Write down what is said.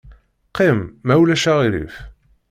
Qqim, ma ulac aɣilif.